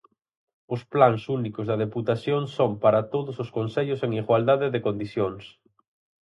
Os plans únicos da deputación son para todos os concellos en igualdade de condicións.